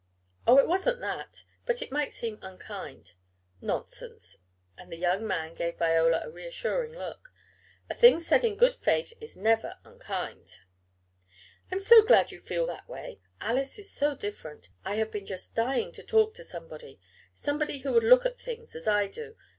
"Oh, it wasn't that. But it might seem unkind." "Nonsense," and the young man gave Viola a reassuring look. "A thing said in good faith is never unkind." "I'm so glad you feel that way. Alice is so different, and I have been just dying to talk to somebody somebody who would look at things as I do.